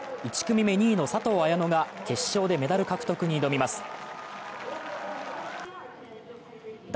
１組目２位の佐藤綾乃が決勝でメダル獲得に挑みます。